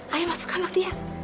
ayo masuk kamar dia